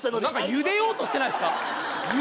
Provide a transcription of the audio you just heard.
ゆでようとしてないですか？